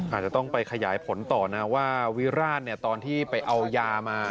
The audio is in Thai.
อาจจะต้องไปขยายผลต่อนะว่าวิราชตอนที่ไปเอายามา